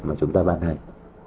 mà chúng ta bàn hành